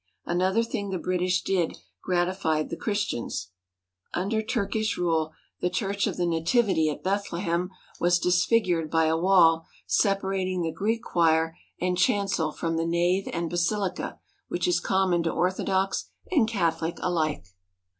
Another thing the British did gratified the Christians. Under Turkish rule the Church of the Nativity at Beth lehem was disfigured by a wall separating the Greek choir and chancel from the nave and basilica, which is common to Orthodox and Catholic alike.